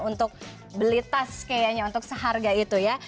untuk beli tas kayaknya untuk seharga itu ya